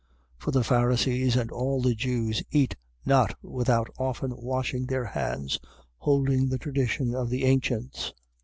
7:3. For the Pharisees and all the Jews eat not without often washing their hands, holding the tradition of the ancients.